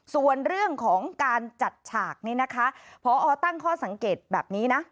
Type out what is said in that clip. ส่วนเรื่องของการจัดฉากนี้นะคะพอตั้งข้อสังเกตแบบนี้นะ